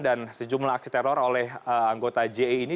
dan sejumlah aksi teror oleh anggota je ini